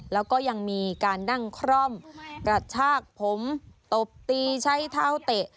แล้วก็ยังมีการนั่งคร่อมกระชากผมตบตีใช้เท้าเตะ